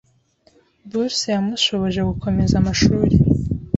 Bourse yamushoboje gukomeza amashuri.